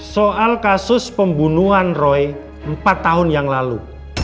soal kasus pembunuhan roy empat tahun yang lalu